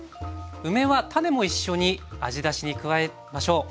梅は種も一緒に味出しに加えましょう。